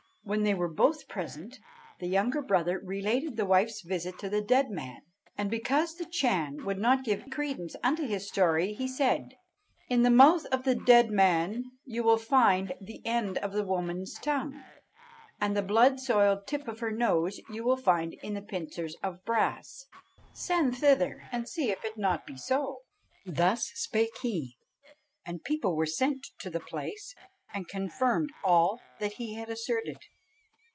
"When they were both present, the younger brother related the wife's visit to the dead man, and because the Chan would not give credence unto his story, he said: 'In the mouth of the dead man you will find the end of the woman's tongue; and the blood soiled tip of her nose you will find in the pincers of brass. Send thither, and see if it be not so.' "Thus spake he, and people were sent to the place, and confirmed all that he had asserted.